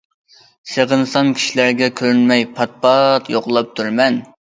سېغىنسام كىشىلەرگە كۆرۈنمەي پات- پات يوقلاپ تۇرىمەن.